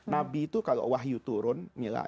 nabi itu kalau wahyu turun mila